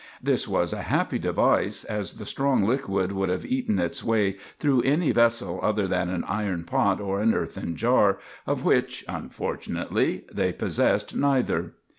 This was a happy device, as the strong liquid would have eaten its way through any vessel other than an iron pot or an earthen jar, of which unfortunately they possessed neither.